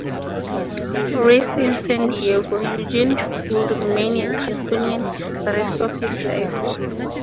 Raised in San Diego, Eugene would remain a Californian the rest of his life.